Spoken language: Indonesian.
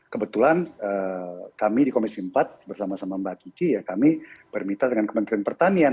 kebetulan kami di komisi empat bersama sama mbak kiki ya kami bermita dengan kementerian pertanian